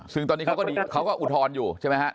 ซึ่งตอนนี้เขาก็อุทธรณ์อยู่ใช่ไหมฮะ